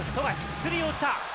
スリーを打った。